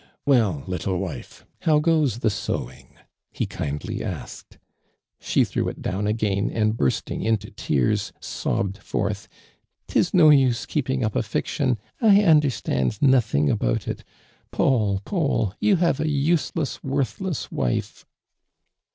" Well, little wife, how goes the sewing ?" he kindly asked. She threw it down again, and bursting into tears, sobbed forth : "'Tis no use keeping up a fiction. 1 understand nothing about it! Paul, I'aul, you have a useless, worthless wife